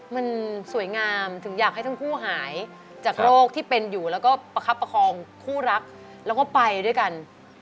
มันสวยงามถึงอยากให้ทั้งคู่หายจากโรคที่เป็นอยู่แล้วก็ประคับประคองคู่รักแล้วก็ไปด้วยกัน